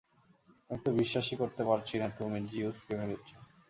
আমি তো বিশ্বাসই করতে পারছি না তুমি জিউস কে মেরেছ।